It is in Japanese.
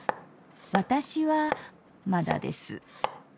私はまだです。